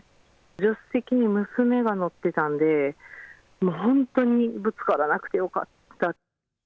助手席に娘が乗ってたんで、本当にぶつからなくてよかった。